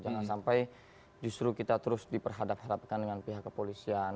jangan sampai justru kita terus diperhadap hadapkan dengan pihak kepolisian